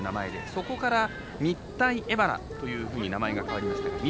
そこから日体大荏原というふうに名前が変わりました。